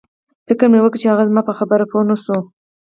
فکر مې وکړ چې هغوی زما په خبره پوه نشول